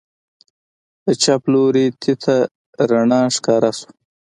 له چپ لوري تته رڼا راښکاره سوه.